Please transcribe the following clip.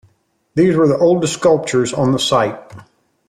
These were the oldest sculptures on the site.